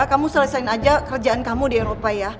kamu selesaiin aja kerjaan kamu di eropa ya